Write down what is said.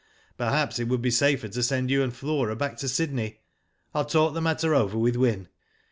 " Perhaps it would be safer to send you and Flora back to Sydney. I'll talk the matter over with Wyn."